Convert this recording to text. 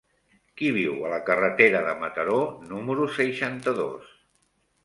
Qui viu a la carretera de Mataró número seixanta-dos?